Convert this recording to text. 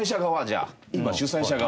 じゃあ今主催者側。